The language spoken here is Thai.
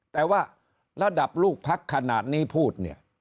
แต่ว่าระดับลูกพักขนาดนี้พูดเนี่ย